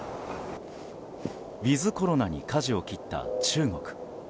ウィズコロナにかじを切った中国。